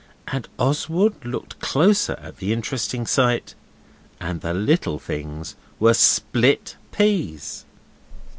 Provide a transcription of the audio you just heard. And Oswald look closer at the interesting sight. And the little things were SPLIT peas.